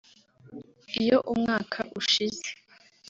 iyo umwaka ushize